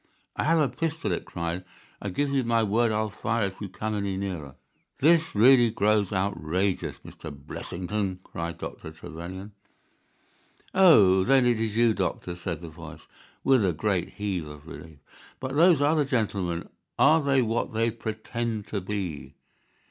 "I have a pistol," it cried. "I give you my word that I'll fire if you come any nearer." "This really grows outrageous, Mr. Blessington," cried Dr. Trevelyan. "Oh, then it is you, doctor," said the voice, with a great heave of relief. "But those other gentlemen, are they what they pretend to be?"